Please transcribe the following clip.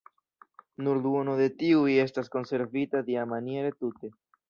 Nur duono de tiuj estas konservita tiamaniere tute.